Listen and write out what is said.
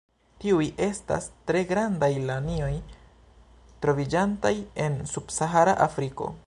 Tiuj estas tre grandaj lanioj troviĝantaj en subsahara Afriko.